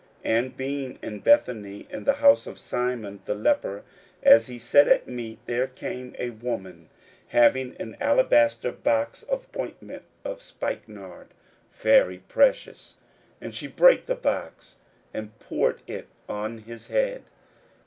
41:014:003 And being in Bethany in the house of Simon the leper, as he sat at meat, there came a woman having an alabaster box of ointment of spikenard very precious; and she brake the box, and poured it on his head.